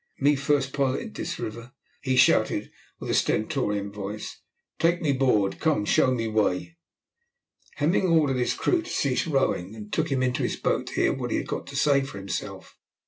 "Me first pilot in dis river," he shouted with a stentorian voice, "take me board me come show way." Hemming ordered his crew to cease rowing, and took him into his boat to hear what he had got to say for himself.